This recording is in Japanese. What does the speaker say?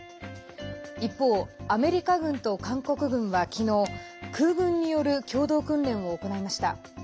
一方、アメリカ軍と韓国軍は昨日空軍による共同訓練を行いました。